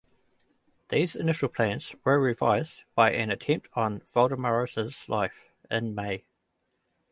These initial plans were revised by an attempt on Voldemaras's life in May.